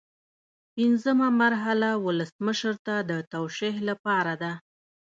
پنځمه مرحله ولسمشر ته د توشیح لپاره ده.